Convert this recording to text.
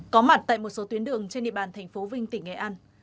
có mặt tại một số tuyến đường trên địa bàn tp vinh tỉnh nghệ an